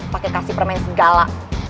pakai kasih permain segala